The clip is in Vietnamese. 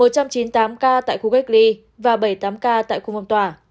một trăm chín mươi tám ca tại khu cách ly và bảy mươi tám ca tại khu phong tỏa